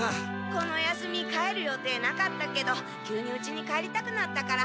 この休み帰る予定なかったけど急にうちに帰りたくなったから。